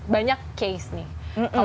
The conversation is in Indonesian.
banyak case nih